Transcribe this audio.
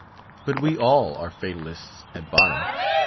But we all are Fatalists at bottom.